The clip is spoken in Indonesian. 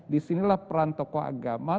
di sinilah peran tokoh agama